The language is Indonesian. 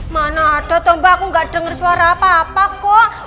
mana ada toh mbak aku gak denger suara apa apa kok